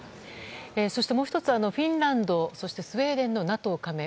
そして、もう１つはフィンランド、そしてスウェーデンのＮＡＴＯ加盟